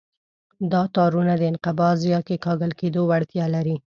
دا تارونه د انقباض یا کیکاږل کېدو وړتیا لري.